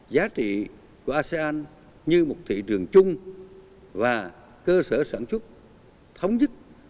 giá trị của asean như một thị trường chung và cơ sở sản xuất thống nhất